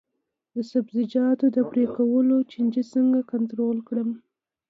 د سبزیجاتو د پرې کولو چینجي څنګه کنټرول کړم؟